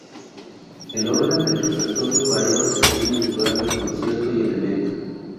El orden del repertorio variaba según el lugar del concierto y el evento.